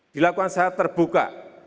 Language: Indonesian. dilakukan secara terbuka